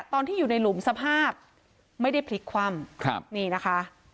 ตอนที่อยู่ในหลุมสภาพไม่ได้พลิกคว่ำครับนี่นะคะ